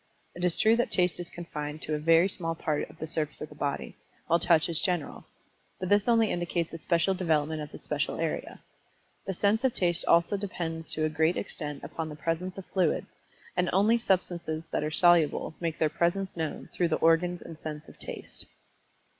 It is true that Taste is confined to a very small part of the surface of the body, while Touch is general. But this only indicates a special development of the special area. The sense of Taste also depends to a great extent upon the presence of fluids, and only substances that are soluble make their presence known through the organs and sense of Taste.